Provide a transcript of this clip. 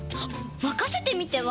まかせてみては？